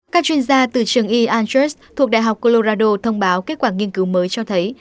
các chuyên gia từ trường y altress thuộc đại học colorado thông báo kết quả nghiên cứu mới cho thấy